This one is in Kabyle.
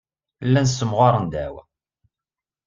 Llan ssemɣaren ddeɛwa.